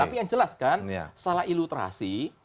tapi yang jelas kan salah ilustrasi